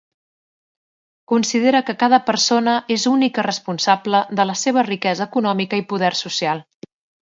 Considera que cada persona és única responsable de la seva riquesa econòmica i poder social.